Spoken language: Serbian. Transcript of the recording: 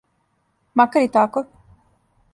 Макар и тако?